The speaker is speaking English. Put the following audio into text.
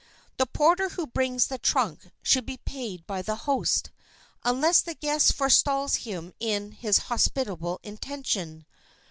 The porter who brings the trunk should be paid by the host, unless the guest forestalls him in his hospitable intention.